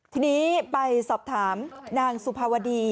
ทีนี้ไปสอบถามนางสุภาวดี